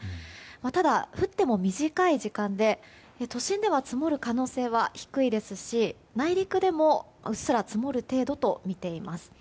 ただ、降っても短い時間で都心では積もる可能性は低いですし内陸でも、うっすら積もる程度とみています。